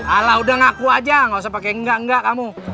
alah udah ngaku aja gak usah pakai enggak enggak kamu